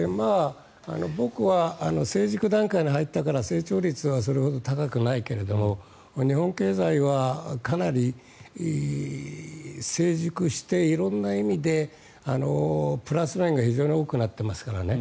僕は成熟段階に入ったから成長率はそれほど高くないけど日本経済はかなり成熟して色んな意味でプラスラインが非常に多くなっていますからね。